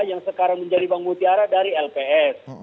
yang sekarang menjadi bank mutiara dari lps